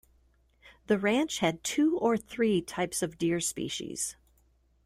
The ranch had two or three types of deer species.